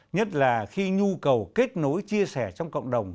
nhất là khi nhu cầu kết nối chia sẻ trong cộng đồng